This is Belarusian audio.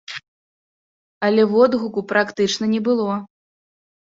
Але водгуку практычна не было.